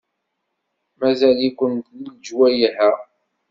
Mazal-iken deg lejwayeh-a?